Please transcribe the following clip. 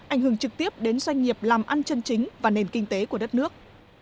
ảnh hưởng trực tiếp đến doanh nghiệp làm ăn chân chính và nền kinh tế của đất nước